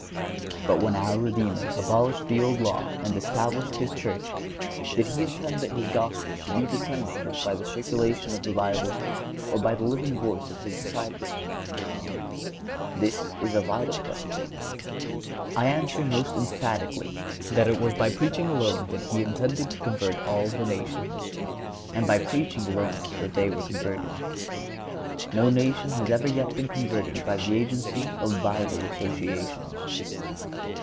But when our Redeemer abolished the Old Law and established His Church, did He intend that His Gospel should be disseminated by the circulation of the Bible, or by the living voice of His disciples? This is a vital question. I answer most emphatically, that it was by preaching alone that He intended to convert the nations, and by preaching alone they were converted. No nation has ever yet been converted by the agency of Bible Associations.